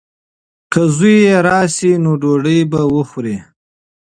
که زوی یې راشي نو ډوډۍ به وخوري.